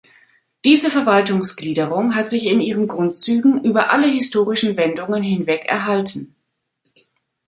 Diese Verwaltungsgliederung hat sich in ihren Grundzügen über alle historischen Wendungen hinweg erhalten.